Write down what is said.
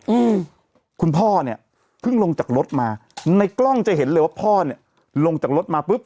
อืมคุณพ่อเนี้ยเพิ่งลงจากรถมาในกล้องจะเห็นเลยว่าพ่อเนี้ยลงจากรถมาปุ๊บ